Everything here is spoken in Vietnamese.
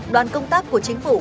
đoàn công tác của chính phủ